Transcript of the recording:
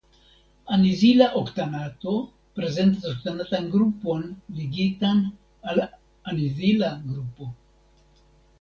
Anizila oktanato prezentas oktanatan grupon ligitan al anizila grupo.